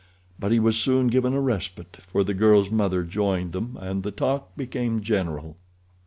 But he was soon given a respite, for the girl's mother joined them, and the talk became general.